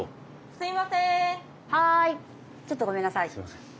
すいません。